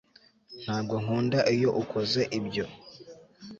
ntabwo nkunda iyo ukoze ibyo